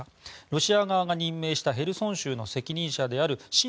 ロシア側が任命したヘルソン州の責任者である親